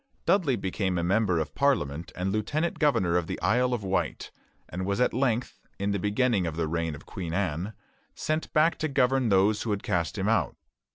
Dudley became a member of Parliament and lieutenant governor of the Isle of Wight, and was at length, in the beginning of the reign of Queen Anne, sent back to govern those who had cast him out.